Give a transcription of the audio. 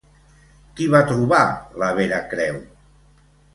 Qui va trobar la Vera Creu?